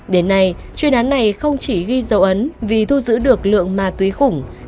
đến nay chuyên án này không chỉ ghi dấu ấn vì thu giữ được lượng ma túy khủng